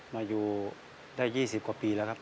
มาอยู่ได้ยี่สิบกว่าปีแล้วครับ